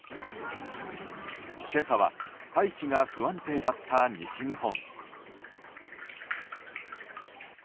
今朝は大気が不安定だった西日本。